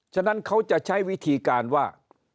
ฉะนั้นเขาจะใช้วิธีการว่า